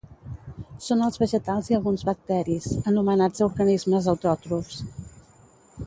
Són els vegetals i alguns bacteris, anomenats organismes autòtrofs